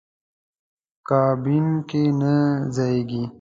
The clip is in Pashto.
کابین کې نه ځایېږي.